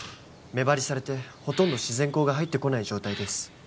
目張りされてほとんど自然光が入ってこない状態です